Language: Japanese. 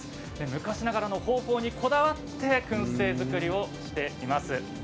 昔ながらの方法にこだわってくん製作りをしています。